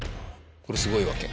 これすごいわけ？